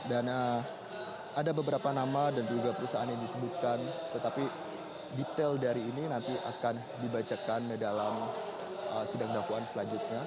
ada beberapa nama dan juga perusahaan yang disebutkan tetapi detail dari ini nanti akan dibacakan dalam sidang dakwaan selanjutnya